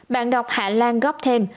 bạn đọc hạ lan góp thêm